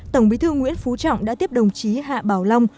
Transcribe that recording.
tổng bí thư nguyễn phú trọng đã tiếp đồng chí hạ bảo long